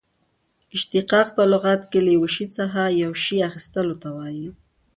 اشتقاق په لغت کښي له یوه شي څخه یو شي اخستلو ته وايي.